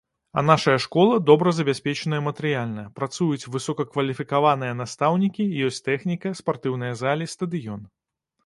А нашая школа добра забяспечаная матэрыяльна, працуюць высокакваліфікаваныя настаўнікі, ёсць тэхніка, спартыўныя залі, стадыён.